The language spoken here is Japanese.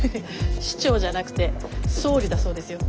市長じゃなくて総理だそうですよ。